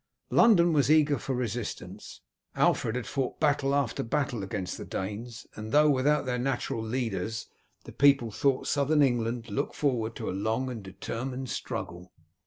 London was eager for resistance. Alfred had fought battle after battle against the Danes, and though without their natural leaders, the people throughout Southern England looked forward to a long and determined struggle.